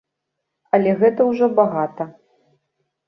Але гэта ўжо багата.